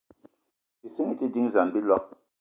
Ìsínga í te dínzan á bíloig